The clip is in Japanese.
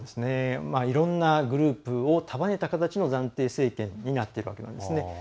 いろんなグループを束ねた形の暫定政権になっているんですね。